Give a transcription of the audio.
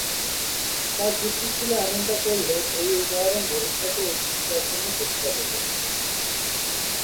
তার যুক্তি ছিল এমনটা করলে এই উদাহরণ ভবিষ্যতে এই গির্জার জন্য ক্ষতিকর হতে পারে।